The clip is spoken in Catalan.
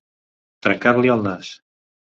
Trencar-li el nas.